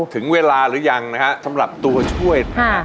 ถึงเวลาหรือยังนะฮะสำหรับตัวช่วย